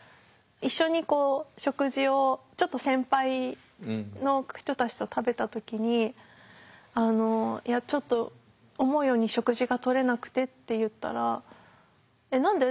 一緒にこう食事をちょっと先輩の人たちと食べた時にいやちょっと思うように食事がとれなくてって言ったら「えっ何で？